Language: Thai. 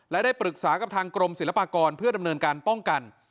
และได้ปรึกษากับทางกรมศิลปากรเพื่อดำเนินการป้องกัน